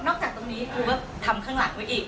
จากตรงนี้ครูก็ทำข้างหลังไว้อีก